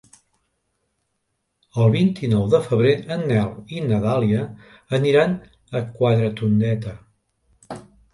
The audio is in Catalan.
El vint-i-nou de febrer en Nel i na Dàlia aniran a Quatretondeta.